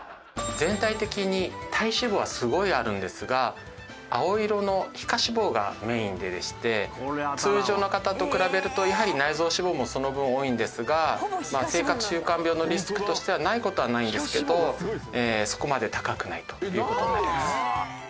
全体的に体脂肪はすごいあるんですが青色の皮下脂肪がメインでして通常の方と比べるとやはり内臓脂肪もその分多いんですが生活習慣病のリスクとしてはない事はないんですけどそこまで高くないという事になります。